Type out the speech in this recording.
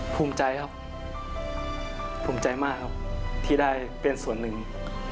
ภูมิใจครับภูมิใจมากครับที่ได้เป็นส่วนหนึ่ง